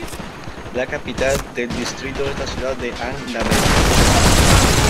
La capital del distrito es la ciudad de An-Nabek.